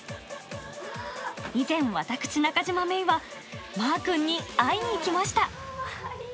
以前、私、中島芽生はまーくんに会いに行きました。